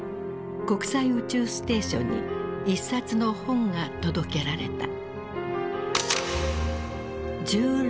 国際宇宙ステーションに一冊の本が届けられた。